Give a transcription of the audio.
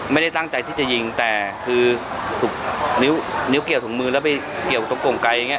ไม่ได้ตั้งใจที่จะยิงแต่คือถูกนิ้วเกี่ยวถุงมือแล้วไปเกี่ยวตรงกงไกลอย่างนี้